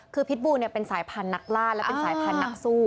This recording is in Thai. คือพิษบูเป็นสายพันธุ์นักล่าและเป็นสายพันธุ์นักสู้